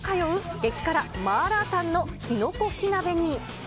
激辛マーラータンのきのこ火鍋に。